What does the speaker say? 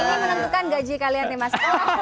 ini menentukan gaji kalian nih mas